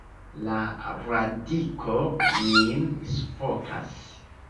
La radiko min sufokas!